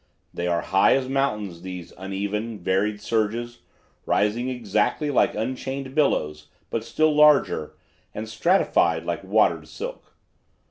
They are high as mountains, these uneven, varied surges, rising exactly like unchained billows, but still larger, and stratified like watered silk.